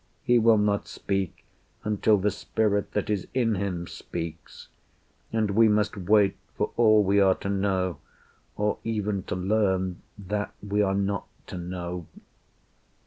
He will not speak Until the spirit that is in him speaks; And we must wait for all we are to know, Or even to learn that we are not to know.